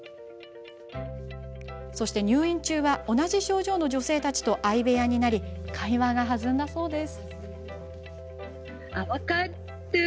入院中は同じ症状の女性たちと相部屋になり会話が弾んだそうです。